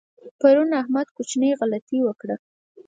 پرون احمد کوچنۍ غلطۍ وکړه.